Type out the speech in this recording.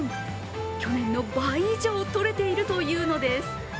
去年の倍以上とれているというのです。